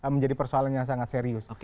menjadi persoalan yang sangat serius